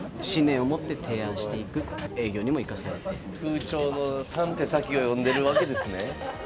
空調の３手先を読んでるわけですね。